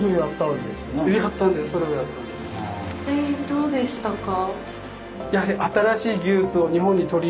どうでしたか？